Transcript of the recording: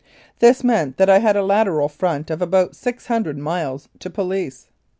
This meant that I had a lateral front of about 600 miles to police.